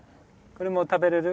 これも食べれる？